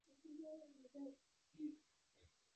পারসীকরাও শিক্ষা দিত যে, একদিন এই অশুভ ঈশ্বর বিনষ্ট হইবেন।